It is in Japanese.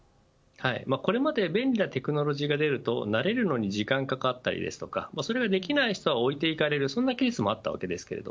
これまで便利なテクノロジーが出ると慣れるのに時間がかかったりそれができない人は置いていかれるそんなケースもありました。